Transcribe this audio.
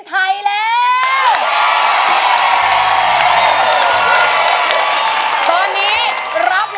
ข้างบน